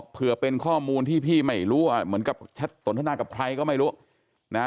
เพื่อเป็นข้อมูลที่พี่ไม่รู้เหมือนกับสนทนากับใครก็ไม่รู้นะ